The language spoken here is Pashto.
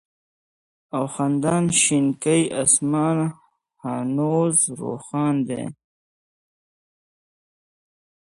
او خندان شينكى آسمان هنوز روښان دى